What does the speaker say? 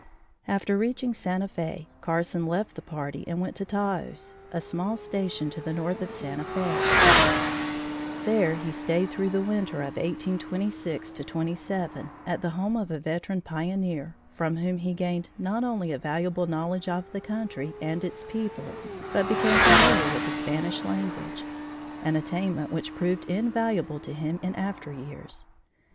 After reaching Santa Fe, Carson left the party and went to Taos, a small station to the north of Santa Fe. There he stayed through the winter of 1826 27, at the home of a veteran pioneer, from whom he gained not only a valuable knowledge of the country and its people, but became familiar with the Spanish language an attainment which proved invaluable to him in after years.